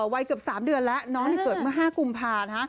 วัยเกือบ๓เดือนแล้วน้องเกิดเมื่อ๕กุมภานะฮะ